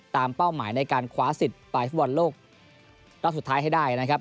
ตามเป้าหมายในการขวาสิทธิ์ปลายภูมิวันโลกรอบสุดท้ายให้ได้